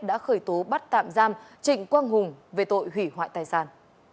đã khởi tố bắt tạm giam trịnh quang hùng về tội hủy hoại tài sản